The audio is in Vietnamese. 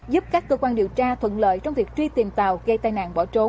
giúp các cơ quan điều tra thuận lợi trong việc truy tìm tàu gây tai nạn bỏ trốn